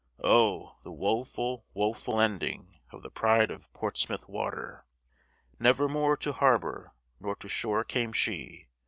Oh, the woful, woful ending Of the pride of Portsmouth water! Never more to harbor nor to shore came she!